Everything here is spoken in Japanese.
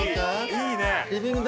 いいね！